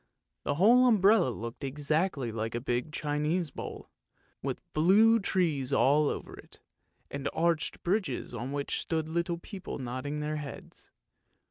" The whole umbrella looked exactly like a big Chinese bowl, with blue trees all over it, and arched bridges on which stood little people nodding their heads.